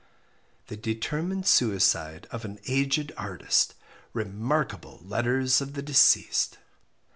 The Determined Suicide of an Aged Artist. REMARKABLE LETTERS OF THE DECEASED.